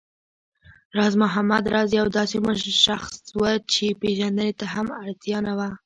راز محمد راز يو داسې شخص و چې پېژندنې ته هېڅ اړتيا نه لري